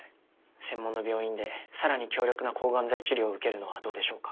専門の病院でさらに強力な抗がん剤治療を受けるのはどうでしょうか。